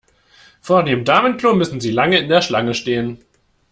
Vor dem Damenklo müssen Sie lange in der Schlange stehen.